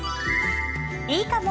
いいかも！